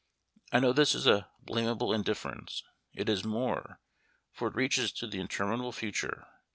I know this is a blamable indifference it is more for it reaches to the interminable future.